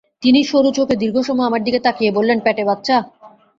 তিনি সরু চোখে দীর্ঘ সময় আমার দিকে তাকিয়ে বললেন, পেটে বাচ্চা?